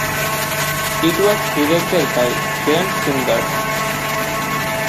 It was directed by Grant Singer.